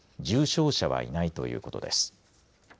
重症者はいないということです。